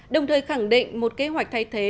đồng thời khẳng định một kế hoạch thay thế